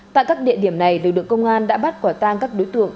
tại các địa điểm này lực lượng công an đã bắt quả tang các đối tượng